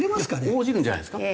応じるんじゃないですか？